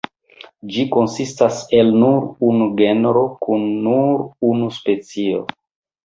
Ĝi konsistas el nur unu genro kun nur unu specio.